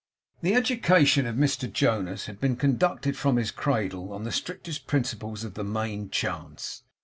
The education of Mr Jonas had been conducted from his cradle on the strictest principles of the main chance.